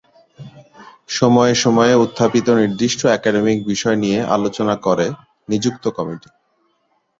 সময়ে সময়ে উত্থাপিত নির্দিষ্ট একাডেমিক বিষয় নিয়ে আলোচনা করে নিযুক্ত কমিটি।